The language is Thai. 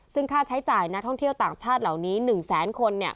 ซึ่งค่าใช้จ่ายนักท่องเที่ยวต่างชาติเหล่านี้๑แสนคน